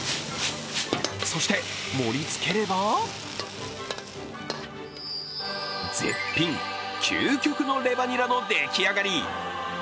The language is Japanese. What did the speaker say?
そして盛りつければ絶品、究極のレバニラの出来上がり。